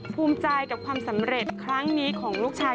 ภูมิกับความสำเร็จของลูกชาย